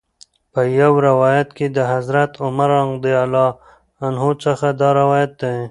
په یو روایت کې د حضرت عمر رض څخه دا روایت